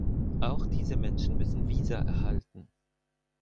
Auch diese Menschen müssen Visa erhalten.